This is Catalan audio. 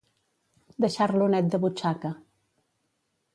Deixar-lo net de butxaca.